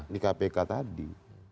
di kpk tadi